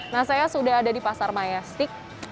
nah saya sudah ada di pasar mayastik